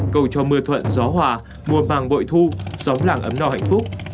cầu cho mưa thuận gió hòa mùa màng bội thu xóm làng ấm no hạnh phúc